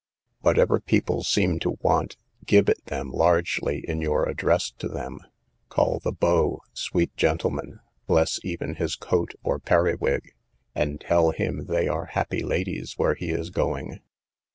"Whatever people seem to want, give it them largely in your address to them: call the beau Sweet Gentleman, bless even his coat or perriwig, and tell him they are happy ladies where he is going.